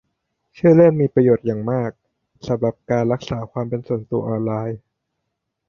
ชื่อเล่นมีประโยชน์อย่างมากสำหรับการรักษาความเป็นส่วนตัวออนไลน์